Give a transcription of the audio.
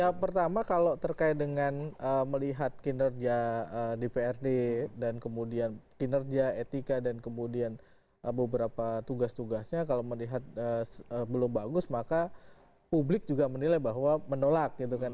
ya pertama kalau terkait dengan melihat kinerja dprd dan kemudian kinerja etika dan kemudian beberapa tugas tugasnya kalau melihat belum bagus maka publik juga menilai bahwa menolak gitu kan